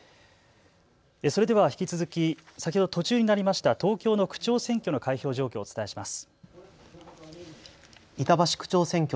それでは引き続き、先ほど途中になりました東京の区長選挙の開票状況をお伝えします。